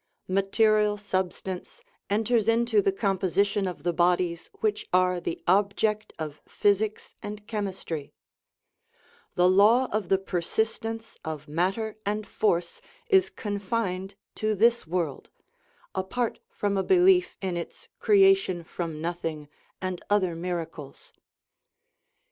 Material substance enters into the composition of the bodies which are the object of physics and chemistry ; the law of the persistence of matter and force is con fined to this world (apart from a belief in its " creation from nothing" and other miracles).